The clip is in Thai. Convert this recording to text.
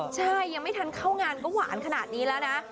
ใช่ยังไม่ทันเข้างานก็หวานขนาดนี้แล้วนะ